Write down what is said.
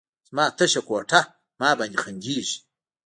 زما تشه کوټه، ما باندې خندیږې